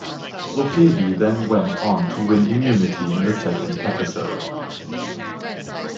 Lopevi then went on to win immunity in the second episode.